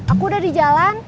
aku udah di jalan